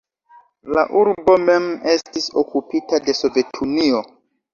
La urbo mem estis okupita de Sovetunio.